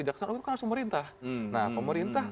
kejaksaan oh itu kan harus pemerintah